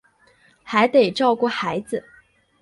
还得照顾孩子